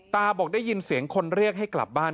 บอกได้ยินเสียงคนเรียกให้กลับบ้าน